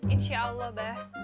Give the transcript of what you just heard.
insya allah mbah